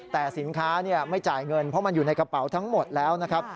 แต่สินค้าไม่จ่ายเงินเพราะมันอยู่ในกระเป๋าทั้งหมดแล้วนะครับ